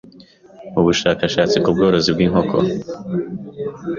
ubushakashatsi ku bworozi bw’inkoko